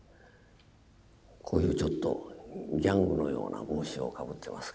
こういうちょっとギャングのような帽子をかぶってますけどね。